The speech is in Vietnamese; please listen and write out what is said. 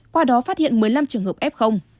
qua đó phát hiện một mươi năm trường hợp f